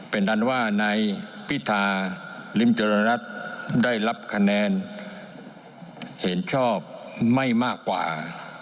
เป็นอันว่านายพิธาริมเจริญรัฐได้รับคะแนนเห็นชอบไม่มากกว่า